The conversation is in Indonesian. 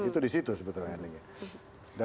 itu di situ sebetulnya endingnya